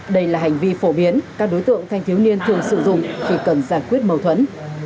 đây là hành vi phổ biến các đối tượng thanh thiếu niên thường sử dụng khi cần giải quyết mâu thuẫn